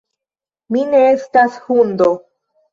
Mi ne estas hundo